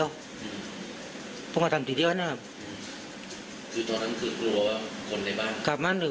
ก็พันหัวทรดูนะปักดูนิดเลยนะ